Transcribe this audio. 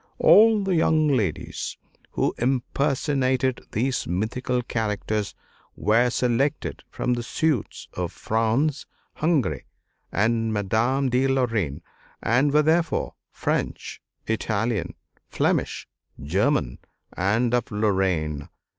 All the young ladies who impersonated these mythical characters were selected from the suites of France, Hungary, and Madame de Lorraine; and were therefore French, Italian, Flemish, German, and of Lorraine.